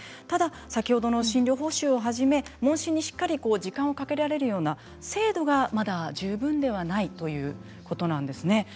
ただ先ほどの診療報酬をはじめ問診にしっかり時間をかけられるような制度がまだ十分ではないということなんですね。